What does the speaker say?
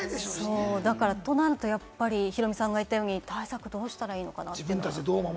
となると、ヒロミさんが言ったように対策どうしたらいいのかなって。